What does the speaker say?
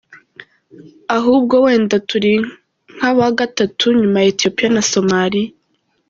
ahubwo wenda turi nk’aba gatato nyuma ya ethiopia na somalia.